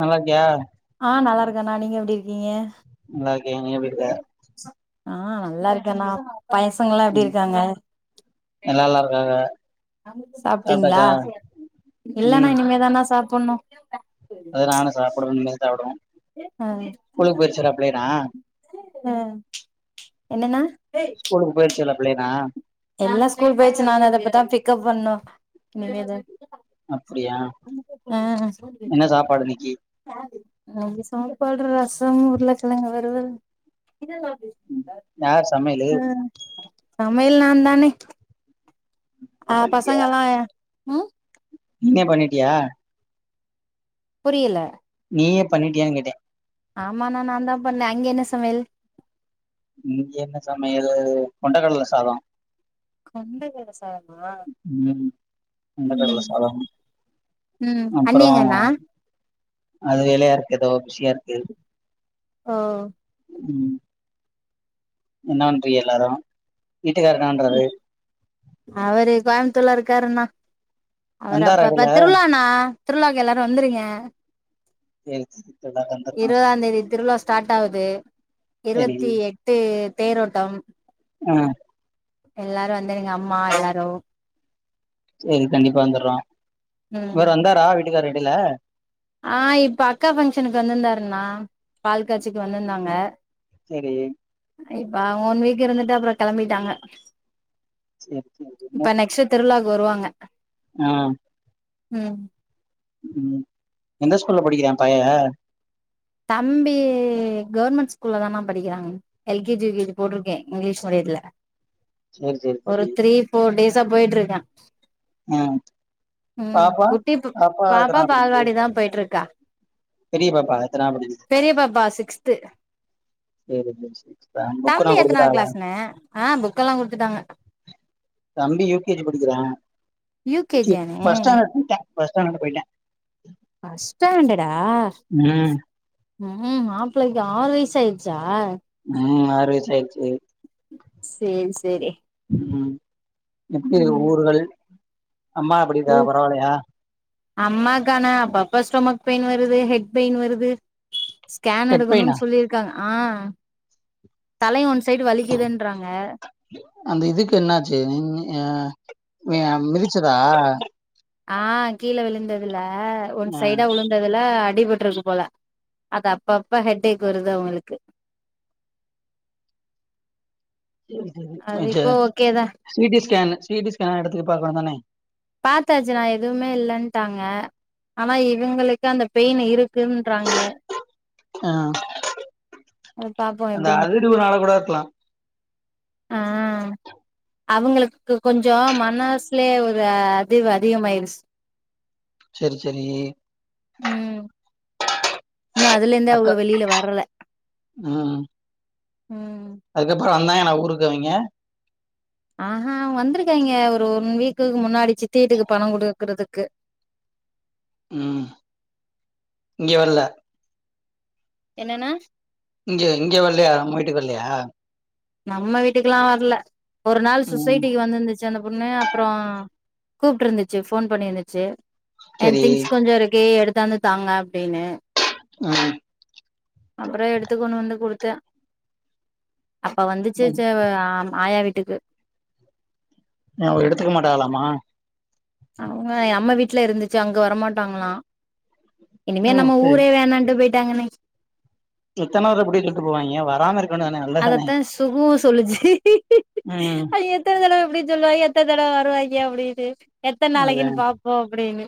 நல்லா இருக்கியா ஆ நல்லாருக்கண்ணா நீங்க எப்டி இருக்கீங்க நல்லாற்கே நீ எப்டி இருக்க ஆ நல்லா இருக்கேண்ணா பயசங்கல்லா எப்டி ம் இருக்காங்க எல்லா நல்லா இருக்காங்க சாப்பிட்டீங்களா சாப்ட்டாச்சா இல்லனா இனிமே தாணா சாப் கொண்ணோ அத நானு சாப்படுனு இனிமே சாப்பிடணும் ஆ ஸ்கூலுக்கு போயிடிச்சடா பிள்ளையெல்லா என்னன்னா ஸ்கூலுக்கு போயிற்சலா பிள்ளேனா எல்லா ஸ்கூல் போயிடுச்சு நா அத போய் பிக்கப் பண்ணும் இனிமே தா அப்டியா என்ன சாப்பாடு இன்னைக்கு அ சாப்பாடு ரசம் உருளக்கிழங்கு வருவல் யார் சமையலு அ சமையல் நான் நனை நீ ஆ பசங்க எல்லா ம் நீயே பண்ணிட்டியா புரியல நீயே பண்ணிட்டியா கேட்டே ஆமா நா நான் தான் பண்ணேன் அங்க என்ன சமையல் இங்க என்ன சமையல் கொண்டக்கடல சாதம் கொண்டகடல சாதமா ம் கொண்டக்கடல ம் சாதோ ம் அன்னி அப்றோ எங்கண்ணா அது வேலையா இருக்கு ஏதோ பிசியா இருக்கு ஓ ம் என்னா பன்றிங்க எல்லாரும் ம் அவரே கோயம்புத் த்துல இருக்காரு அண்ணா அவரு வந்தாரா அப்பப்ப இடைல திருவிழாண்ணா திருவிழாக்கு எல்லாரும் வந்துருங்க சேரி சே இருவதாம் தேதி திருவிழா ஸ்டார்ட் ஆகுது சரி இருபத்தி எட்டு தேரோட்டம் ஆ எல்லாரும் வந்துருங்க அம்மா எல்லாரும் செரி கண்டிப்பா வந்துறோம் ம் இவரு வந்தாரா வீட் டுக்காரு இடைல ஆ இப்ப அக்கா பஃங்க்ஷனுக்கு வந்துருந்தார்ன்னா பால் காட்சிக்கு வந்துந்தாங்க சரி இப்ப அவங்க ஒன் வீக் இருந்துட்டு அப்புறம் கெளம்பிட்டாங்க செரி செரி இன்னு இப்ப நெக்ஸ்ட் திருவிழாக்கு வருவாங்க ஆ ம் ம் எந்த ஸ்கூல்ல படிக்கிறான் பைய தம்பி கவர்மெண்ட் ஸ்கூல்ல தானா படிக்கிறான் L K G U K G போட்ருக்கேன் இங்கிலீஷ் மீடியத்துல சரி சரி ஒரு சரி த்ரீ போர் டேஸ் தா போயிட்டு இருக்கான் ஆ ம் பாப்பா குட்டி பப் பாப்பா எத்தனாவது படிக்குது பால்வாடி தான் போயிட்டு இருக்கா பெரிய பாப்பா எத்தனாவது பெரிய பாப்பா சிக்ஸ் த்து புக்கெல்லாம் எத்தனாவது கொடுக்கிறாங்களா கிளாஸ்ணே ஆ புக்கெல்லா குடுத்துட்டாங்க தம்பி யூகேஜி படிக்கிறான். யூ கே ஜி யாணே பஸ்ட் ஸ்டான்ட் பஸ் ஸ்டாண்ட்யிட்டே போய்ட்டான் ஃபஸ்ட் ஸ்டாண்டர்டா ம் ம் மாப்பளைக்கு ஆறு வயசு ஆயிச்சா ம் ஆறு வயசா ஆயிடுச்சு செரி செரி ம் எப்டி ஊர்கள் அம்மா எப்டி இருக்கா ம் பரவாயில்லையா அம்மாக்கான அப்ப அப் இப்ப ஸ்டொமக் பெயின் வருது ஹெட் பெயின் வருது ஸ்கேன் ஹெட் பெயினா எடுக்கணும்னு சொல்லியிருக்காங்க ஆ தலயு ஒன்ஸ் அந்த இதுக்கு என்னாச்சு நீன் நி ஆ அ மிதுச்சதா ஆ கீழ விழுந்த துல் லா ஒன் ஆ சைடா உழுந்ததுல அ அடிபட்டுருக்கு போல அது அப்பப்ப ஹெட்டேக் வருது அவங்களுக்கு செரி செரி அது வச்ச இப்போ ஓகேதா C T scan C T scan எடுத்து பாகணு தானே பாத்தாச்னா எதுவுமே இல்லன்ட்டாங்க ஆனா இவங்களுக்கு அந்த பெயின் இருக் கிங்றாங்க ஆ அத பார்ப்போ அந்த எப்படின்னு அதிர்வுனால கூட இருக்கலாம் ஆ அவங்களுக்கு கொஞ்சோ மனசுலயே ஒரு அதிவு அதிகமாயிடுச்சு செரி செரி ம் இன்னு அதிலருந்தே அவங்க அக்கா வெளியில வரல ம் அதுக்கப்ப அப்பறோ வந்தாங்கன ஊருக்குஅவிங்க ஆஹா வந்திருக்காங்க ஒரு ஒன் வீக்குக்கு முன்னாடி சித்தீட்டுக்கு பணோ குடுக்குறதுக்கு ம் இங்கே வரல என்னன்னா இங்க இங்க வல்லையா உங்கவிட்டுகு வல்லையா நம்ம வீட்டுக்கெல்லா வரல ஒரு நாள் ம் சொசைட்டிக்கு வந்திருந்துச்சு அந்த பொண்ணு அப்றோ கூப்பிட்டு இருந்துச்சு ஃபோன் பண்ணியிருந்துச்சு என் சரி திங்ஸ் கொஞ்ச இருக்கு எடு தனு தாங்க அப்டினு ம் அப்புறம் எடுத்து கொண்டு வந்து கொடுத் த அப்ப வந்துச்சு ச ஆயவேடு ட்டுக்கு என்ன அவ எடுத்துக்க மாட்டாலமா அவுங்க என் அம்ம வீட்ல இருந்துச்சு அங்க வரமாட்டாங்களாம் இனிமே ம் நம்ம ஊரே வேண்டான்டு போ அங்கனேச்சு எத்தனை வரை [unintelligible] வராம இருக் அதத்தான் சுகுவும் சொல்லுச்சு ம் எத்தன தடவ அப்டின்னு சொல்லுவாங்க எத்தன தடவ வருவாங்க அப்டின்னு எத்தனை நாளைக்குன்னு பாப்போம் அப்படின்னு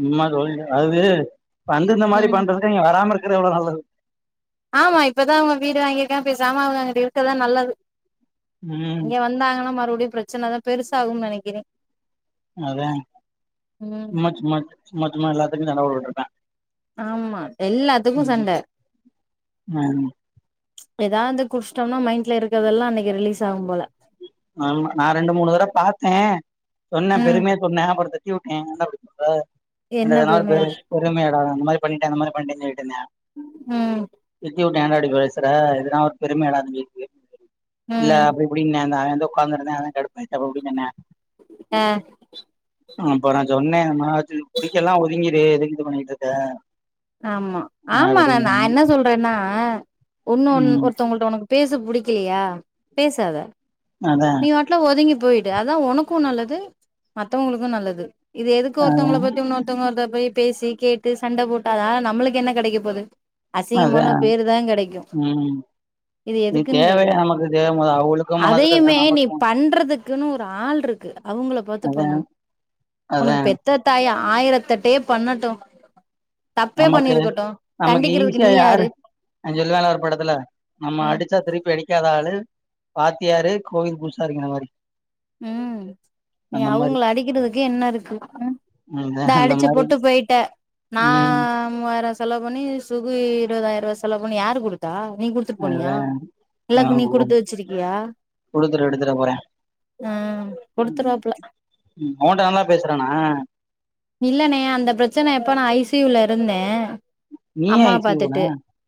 சும்மா சொல்ற அது வந்து இந்த மாதிரி ம் பண்றதுக்கு நீங்க வராம [unintelligible] ஆமா இப்பதான் அவங்க வீடு வாங்கியிருக்கான் பேசாம அவங்க அங்கிட் இருக்கிறதான் நல்லது ம் இங்க வந்தாங்கன்னா மறுபடி அப்டி பிரச்சன தான் பெருசாகும் நெனைக்கிறேன் அதேன் ம் சும்மா சும்மா சும்மா சும்மா எல்லாத்துக்கும் சண்டபோட்டுருப்பான் ஆமா எல்லாத்துக்கும் சண்ட ம் எதாவது குடிச்சிட்டோம்னா மைண்ட்ல இருக்கறதெல்லாம் அன்னைக்கு ரிலீஸ் ஆகும் போல ஆமா நா ரெண்டு மூணு தடவ பாத்தேன் சொன்னே ம் பெருமையா சொன்னே அப்றது தட்டிவிட்டேன் என்ன இப்ப என்ன அதனால பெ பெருமையா பெருமையாடாது அந்த மாதிரி பண்ணிட்டு அந்த மாரி பண்ணிட்டு வந்து [unintelligible] என்ன ம் [unintelligible] ஏன்டா இப்டி பேசுற இதெல்லா ஒரு பெருமையாடா தம்பி இல்ல ம் அப்டி இப்டின்னு அந்த அவன் உக்காந்திருந்தேன் அதான் கடுப்பாயிட்டு அப்டி இப்டி ‌நின்னேன் அப்ரோ சொன்னே பிடிக்கல்லனா ஒதுங்கிடு எதுக்கு இது பண்ணிட்டு இருக்க ஆமா ஆமா நா அப்டின்னே என்ன சொல்றேன்னா ஒன்னு ஒன்னு ம் ஒருத்தங்கள்ட்ட உனக் பேச புடிக்கலையா பேசாத. அதா நீ வாட்ல ஓதங்கி. போயிடு. அதான் உனக்கும் நல்லது, மத்தவங்களுக்கும் நல்லது. இது எதுக்கு அதா ஒருத்தவங்களை பத்தி இன்னோருத்தவங்க ஒருத்த. போய் பேசி கேட்டு சண்டை போட். அத நம்ளுக்கு என்ன கிடைக்க போகுது. அதா அசிங்கமான பேரு தான் கிடைக்கும். ம் இது எதுக்குன்னு தேவையா கேக்குறேன் நமக்கு தேவ போது அவங்களுக்கு மனசு கஷ்டோ அதையுமே நீ நமக்கு பண்றதுக்குன்னு. சால் இருக்கு. அவங்கள பார்த்து அதா பண்ணணும். அதா உனக்கு பெத்த தாயா? ஆயிரத்தட்டே பண்ணட்டும். நமக்கு, நமக்கு ஈஸியா யாரு அவ சொல்வால ஒரு படத்துல நம்ம ம் அடிச்சா திருப்பி அடிக்காத ஆலு. வாத்தியாரு கோவில் பூசாரிங்கர மாரி. உம் நீ அந்த மாரி அவங்கள அடிக்கிறதுக்கு என்ன இருக்கு. இந்த ம் அந்த அடிச்சு மாரி போட்டு போயிட்ட. ம் நாம. ஆயிரவா [unintelligible] செலவு பண்ணி சுபு இருபதாயிரம் ரூபா செலவு பண்ணி யாரு கொடுத்தா? நீ குடுத்துட்டு போனியா? அதா எல்லாக்கு நீ குடுத்து வச்சிருக்கியா. குடுத்துட்டு எடுத்துட போறே உம் கொடுத்துருவாப்ல உன்ட்ட நல்லா பேசுறானா இல்லனே அந்த பிரச்சனை எப்பனா ஐசியூ ல. யிருந்தேன். நீ ஏ ஐ அம்மாவ சி யு போன பாத்துட்டு.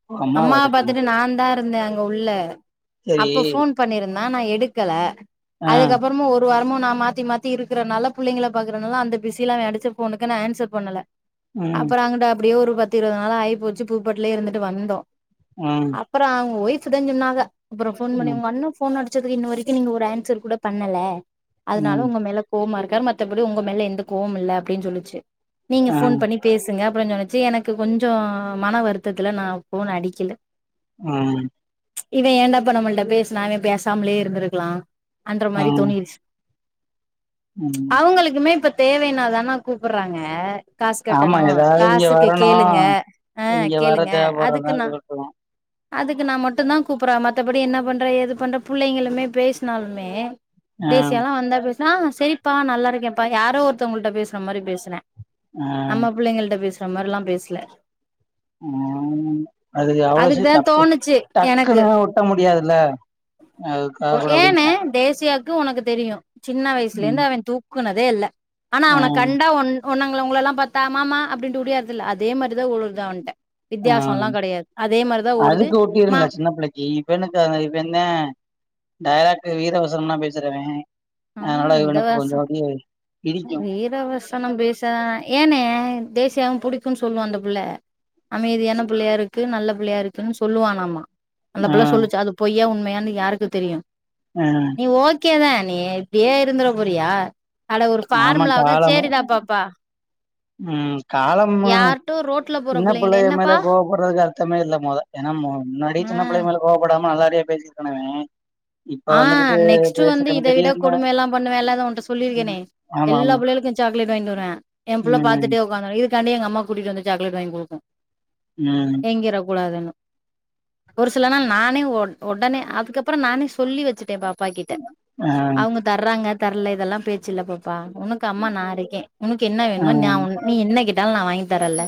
ஓ அம்மாவா அம்மாவை அதுக்குன்னு பாத்துட்டு நான் தான் இரு. இருந்தேன் அங்க உள்ள. சரி அப்போ போன் பண்ணிருந்தே. ந நான் எடுக்கல. ஆ அதுக்கப்புறமா ஒரு வாரம். நான் மாத்தி மாத்தி இருக்கிறனால பிள்ளைகள பாக்குறதுனால அந்த பிசில அவன் அடிச்ச போனுக்கு நான் ஆன்சர் பண்ணல. ம் அப்புறம் அங்கட்டு. அப்படியே ஒருபத்து இருபது நாள ஆயி போச்சு. பூப்பட்லய இருந்துட்டு வந்தோம். ம் அப்புறம் அவங்க ஒய்ப். இப்பதா சொன்னாக. அப்புறம் போன்பண்ணி, ம் உங்க அண்ண ஃபேன் அடி. [unintelligible] இன்ன வரைக்கும் நீங்க ஒரு ஆன்சர் கூட. பண்ணல. அதனால ம் உங்க மேல கோபமா இருக்க. மத்தப்படி உங்க மேல எந்த கோவம் இல்ல அப்படின்னு சொல்லிச்சு. நீங்க ஆ ஃபோன் பண்ணி பேசுங்க அப்புறோ நெனச்சு எனக்கு கொஞ்சோ மன வருத்தத்துல நா ஃபோன்னு அடிக்கல ம் ம்ச் இவ ஏன்டா பண்ண முடில பேசுனா இவ பேசாமலயே இருந்துருக்கலா அந்த மாரி தோணிருச்சு ம் அவங்களுக்குமே இப்ப தேவைன் அதனாலதான கூப்பறாங்க ஆமா ஏதாவது இங்க வரணு ஆ இங்க வர கேளுங்க அதுக்கு தேவப்பறதா நா இருக்கணு அதுக்கு நா மட்டுந்தா கூப்பற மத்தபடி என்ன பண்ற ஏது பண்ற புள்ளைங்களுமே பேசுனாலு மே ஆ தேசிய எல்லா வந்தா பேஸ் னா சேரிப்பா நல்லா இருக்கியாப்பா‌ யாரோ ஒருத்தவங்கள்ட்ட பேசுற மாரி பேசுன ஆ நம்ம புள்ளைங்கள்ட்ட பேஸ் த்த மாரில்லா பேஸ்ல ம் அது அவ்ளோ சீக்கி அதுக்குதா தப்பு தோணுச்சு எனக்கு டக்குனு ஒட்ட முடியாதுல்ல அதுக்காக கூட ஏன்னு அப்டின்ப்பா தேசியாக்கு உனக்கு தெரியு சின்ன வயிசுல இருந்து ம் அவே தூக்குனது தே இல்ல ஆனா ஆ அவன கண்டா ஒன் ஒன்னங்கள உங்களல்லா பாத்தா மாமா அப்டின்ட்டு ஒடியாறுதுல அதே மாரிதா ஓடுது அவன்ட ஆ ஓடுது அதுக்கு மா ஒட்டிடுல சின்ன புள்ளைக்கு இப்ப என்னக்கா இப்ப என்ன டேரெக் வீர வசனம்லா பேசுறவே அதனால இவனுக் கொஞ்சோ அப்படியே வீர வசனம் பேசுரா ஏன்னே டேசியாவும் புடிக்கும் சொல்லு அந்த புள்ள அமைதியான புள்ளையா இருக்கு நல்ல புள்ளையா இருக்கு சொல்லுவானாமா அந்த ஆ புள்ள சொல்லுச்சா அது பொய்யா உண்மையா என் யாருக்கு தெரியு அ க்கேதா நீ இப்டியே இருந்தர போறியா அட ஆமா ஃபார்முலாவுக்கா காலம் சேரிடா பாப்பா ம் காலம்மு யார்ட்டோ ரோட்ல போற சின்ன புள்ளைங்கள புள்ளைய மேல என்னப்பா கோவப்படுறதுக்கு அர்த்தமே இல்ல மொத ஏனா முன்னாடி ஆ சின்ன புள்ளைங்க மேல கோவப்படாம அத நறைய பேசிருக்கானா அவ ஆ நெக்ஸ்ட்டு வந்து இத விட திடீர்னு கொடும எல்லா பண்ணுவேல்ல அதா ஒன்ட சொல்லிருக்கேனே ம் ஆமா எல்லா ஆமா புள்ளைகளுக்கு சாக்லேட் வாங்கிட் வருவே எம் புள்ள ம் பாத்துட்டே ஒக்காந்து இ துக்காண்டி எங்க அம்மா கூட்டிட்டு வந்து சாக்லெட் வாங்கி குடுக்கு ம் ஏங்கிர கூடாதுன்னு ஒரு சில நாள் நானே ஒ ஒடனே அதுக்கப்ற நானே சொல்லி வச்சுட்டே பாப் பாக்கிட்ட ஆ அவுங்க தர்றாங்க தர்ல இதெல்லா பேச்சில்ல பாப்பா உனக்கு அம்மா நா இருக்கே உனக்கு என்ன ஆ வேணுமோ நா உன் நீ என்ன கே ட்டால் நா வாங்கி தரேல்ல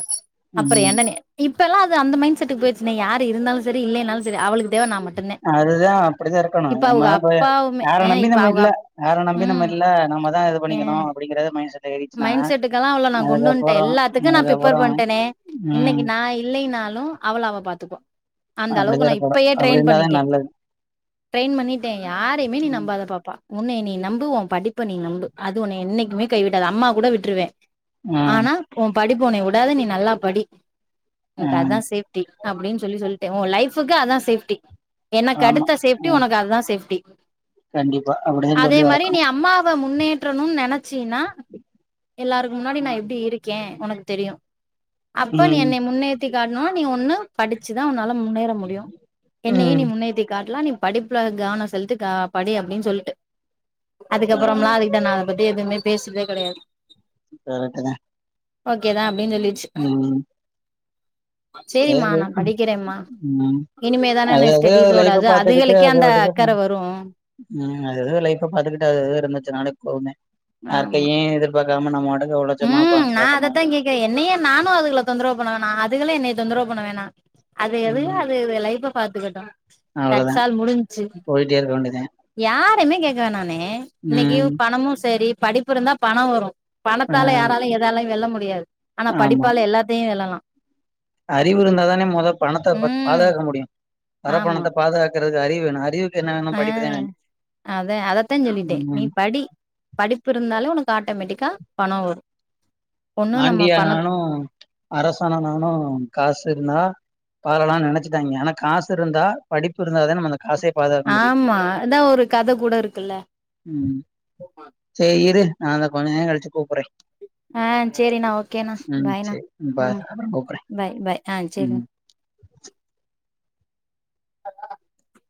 அப்பற ம் என்னனே இப் பல்லா அது அந்த மைண்ட் செட்டுக் போயிருச்சுனே யாரு இருந்தாலு செரி இல்லைனால் செரி அவளுக்கு தேவ நா மட்டுந்தே அதுதா அப்பிடிதாருக் கனு இப்ப அவங்க நம்ம பொய் அப்பாவுமே யார ஆ நம்பி இப்ப நம்ம அவங்க இல்ல அப் யார நம்பி நம்ம ம் இல்ல நம்மதா இது ஆ பண்ணிக்கணு அப்பிடிங்கிற மைன்ட் செ மைண்ட் செட்டுக்கெல்லா அவள நா கொண்டு வன்ட்டே எல்லாத்துக்கு நா அதுக்கப்புறோ பிப்பேர் பண்ட்டெனே இன்னக்கி ம் நா இல்லைனாலு அவள அவ பாத்துக்குவா அந்த அளவுக்கு அப்டிதா நா இருக்கணு இப்பயே அப்டி ட்ரெயின் இருந்தாதா பண்ணிட்டே நல்லது ட்ரெயின் பண்ணிட்டே யாரைய்மே நீ ம் நம்பாத பாப்பா உன்னைய நீ நம்பு ஓ படிப்ப நீ நம்பு அது ஒன்னைய என்னக்கிமே கைவி டாது அம்மா கூட விட்ருவே ம் ஆனா ஓம் படிப்பு ஒன்னய உடாது நீ நல்லா படி உனக்கு ம் அதா சேஃப்டி அப்டின் சொல்லி சொல் டே ஒ லைஃபுக்கு அதா சேஃப்டி ஆமா எனக்கடுத்த சேஃப்டி ம் ஒனக்கு அதா சேஃப்டி [unintelligible] கண்டிப்பா அப்டிதெ சொல்லி வளக்கணு முன்னேற்றணுன் நெனச்சீன்னா எல்லாருக்கு முன்னாடி நா எப்டி இருக் கே ஒனக்கு தெரியு அப்ப நீ ம் என்னைய முன்னே த்தி காட்ணுனா நீ ஒன்னு படுச்சுதா ஒன் னால முன்னேற முடியு என்னையு நீ ம் முன்னேத்தி காட்லா நீ படிப்புல கவன செலுத்தி க படி அப்டின் சொல்ட்டு ஆ அதுக்கப்புறம்லா அதுக்கிட்ட நா வந்து எதுமே பேஸ்ரதே கெடையாது கரட்டுதா ஓகேதா அப் அப்டின் சொல்லிருச்சு சேரிம்மா சேரி நா படிக்கிறேம்மா ம் இனிமே தானே அது அது ஸ்டெடிஸோட லைப்ப அது பாத்துக்கிட்டு அதுகளுக்கே அது அந்த அது அக்கற ம் வரு அது அது லைஃப்ப பாத்துக்கிட்டு அது எது இருந்துச்சுனாலே போதுமே ஆமா யார்கைய எதிர்பாக்காம நம்மோட ம் நா அதத்தா கேக்குற என்னையே நானு அதுகல தொந்தரவு பண்ணாண அதுகல்லே என்ன தெந்தரவு பண்ண வேணா அது எது ம் அது எது ஃலைப்ப பாத்துகிட்டோ அவ்ளோதா தட்சால் முடுஞ்சு போயிட்டே இருக்க வேண்டியதா யாரைமே கேக்க வேணான்னே இன்னிக்கு ம் பணமு செரி படிப்பு இருந்தா பணோ வரு ஆ பணத்தால யாராலயு எதாலையுமன வெல்ல மு முடியாது ஆனா ஆமா படிப்பால எல்லாத்தையு வெல்லலா அறிவு இருந்தாதானே முத பணத்த ம் பாதுகாக்க முடியு வரப்பணத்த பாதுகாக் க்குறக்கு அறிவு வேணு அறிவு அ அத அதத்தா சொல்லிட்டே நீ ம் படி படிப்பு இருந்தாலு உனக் ஆட்டோமேட்டிக்கா பணோ வரு ஒன்னு நம்ம பணத் ஆண்டியானாலு அரசனானாலு காசு இருந்தா வாழலான் நெனச்சிட்டாங்க ஆனக் காசு இருந்தா படிப்பு இருந்தாத நம்ம அந்த காசே பாதுகாக்க முடியு ஆமா அதா ஒரு கத கூட இருக்குல்ல நாதா கொஞ்ச நேரங் கழிச்சி கூப்பற [unintelligible] ஆ சேரிண்ணா ஓகேண்ணா ம் பாய்ண்ணா சேரி பாய் ம் அப்பற கூப்பறே பாய் பாய் ஆ ம் சேரிண்ணா [unintelligible]